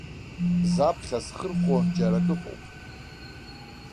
Заԥхьа схырхәо, џьара акыҟоуп.